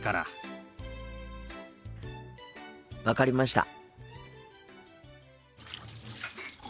分かりました。